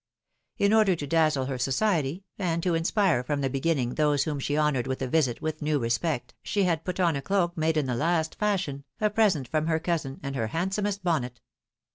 In order to dazzle her society, and to inspire from the beginning those whom she honored with a visit with new respect, she had put on a cloak made in the last fashion, a present from her cousin, and her handsomest bonnet.